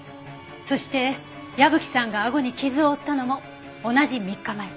そして矢吹さんが顎に傷を負ったのも同じ３日前。